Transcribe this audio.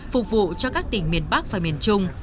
phục vụ cho các tỉnh miền bắc và miền trung